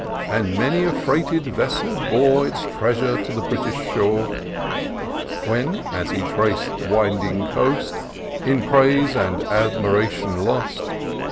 And many a freighted vessel bore Its treasure to the British shore. When, as he trac'd the winding coast. In praise and admiration lost.